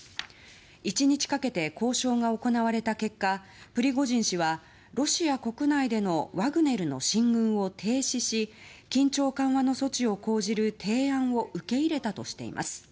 １日かけて交渉が行われた結果プリゴジン氏はロシア国内でのワグネルの進軍を停止し緊張緩和の措置を講じる提案を受け入れたとしています。